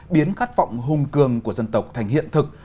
biến khát vọng hung cường của dân tộc thành hiện thực